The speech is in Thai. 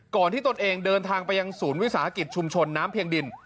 ที่ตนเองเดินทางไปยังศูนย์วิสาหกิจชุมชนน้ำเพียงดิน